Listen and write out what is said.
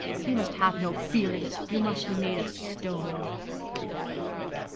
You must have no feeling! you must be made of stone!'